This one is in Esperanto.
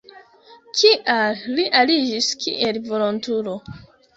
Kial li aliĝis kiel volontulo?